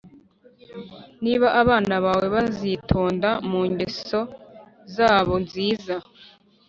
niba abana bawe bazitonda mu ngeso zabo nziza